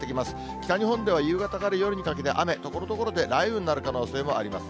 北日本では夕方から夜にかけて雨、ところどころで雷雨になる可能性もあります。